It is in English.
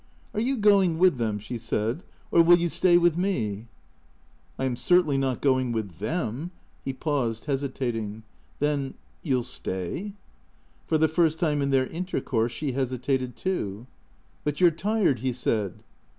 " Are you going with them," she said, " or will you stay with me ?"" I am certainly not going with them " He paused, hesi tating. " Then — you '11 stay ?" For the first time in their inter course she hesitated too. " But you 're tired ?" he said.